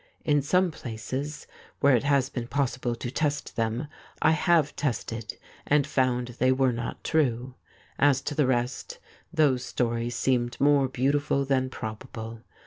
In some places, where it has been possible to test them, I have tested and found they were not true. As to the rest, those stories seem more beautiful than probable.